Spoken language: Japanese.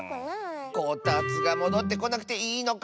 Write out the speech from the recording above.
こたつがもどってこなくていいのか？